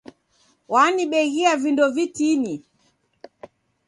Wanibeghia vindo vitini.